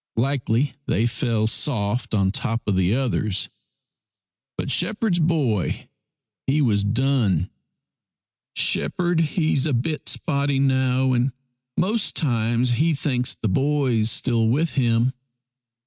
Likely they fell soft on top of the others. But shepherd's boy he was done. " Shepherd he's a bit spotty now, and most times he thinks the boy's still with him.